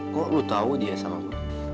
kok lu tau dia sama gue